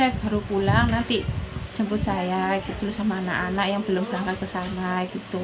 saya baru pulang nanti jemput saya gitu sama anak anak yang belum berangkat ke sana gitu